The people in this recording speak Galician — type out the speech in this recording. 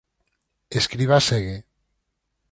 Escribá segue.